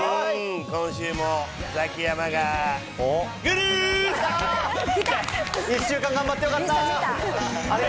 今週も、ザキヤマが、１週間頑張ってよかった。